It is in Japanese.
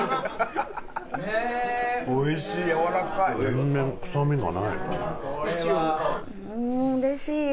全然臭みがないよね。